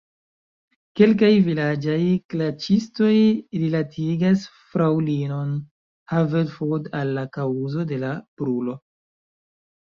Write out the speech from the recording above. Kelkaj vilaĝaj klaĉistoj rilatigas fraŭlinon Haverford al la kaŭzo de la brulo.